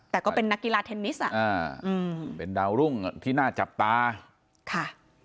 แต่ก็เป็นนักกีฬาเทนนิสอ่ะอ่าอืมเป็นดาวรุ่งที่น่าจับตาค่ะ